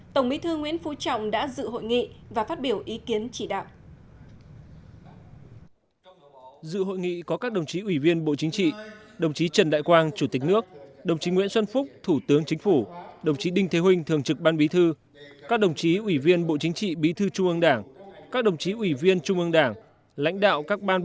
tổng bí thư nguyễn phú trọng đã dự hội nghị và phát biểu ý kiến chỉ đạo